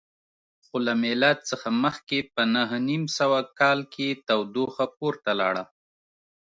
خو له میلاد څخه مخکې په نهه نیم سوه کال کې تودوخه پورته لاړه